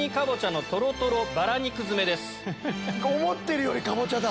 思ってるよりカボチャだ！